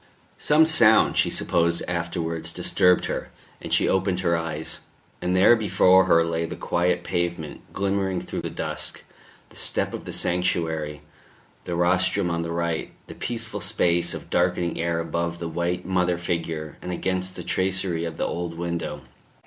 Some sound, she supposed afterwards, disturbed her, and she opened her eyes; and there before her lay the quiet pavement, glimmering through the dusk, the step of the sanctuary, the rostrum on the right, and the peaceful space of darkening air above the white Mother figure and against the tracery of the old window.